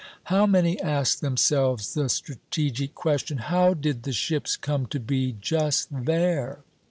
How many ask themselves the strategic question, "How did the ships come to be just there?"